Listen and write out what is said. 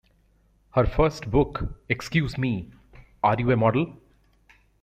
Her first book, Excuse Me, Are You A Model?